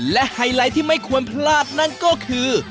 และไฮไลท์ที่ไม่ควรพลาดนั่นก็คือ